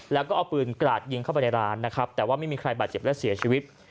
แล้วก็เอาปืนกราดยิงเข้าไปในร้านนะครับแต่ว่าไม่มีใครบาดเจ็บและเสียชีวิต